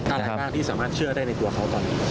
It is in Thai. อะไรบ้างที่สามารถเชื่อได้ในตัวเขาตอนนี้